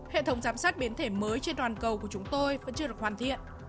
hệ thống giám sát biến thể mới trên toàn cầu của chúng tôi vẫn chưa được hoàn thiện